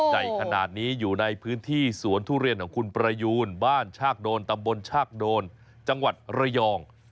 ใหญ่ขนาดนี้อยู่ในพื้นที่สวนทุเรียนของคุณประยูนบ้านชากโดนตำบลชากโดนจังหวัดระยอง